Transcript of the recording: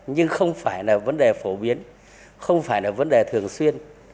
nhưng không phải là vấn đề phổ biến không phải là vấn đề thường xuyên